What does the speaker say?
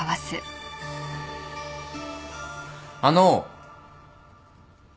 あの。